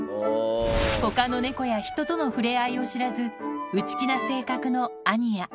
ほかの猫や人との触れ合いを知らず、内気な性格のアニヤ。